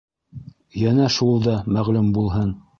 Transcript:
Йәнә шул да мәғлүм булһын.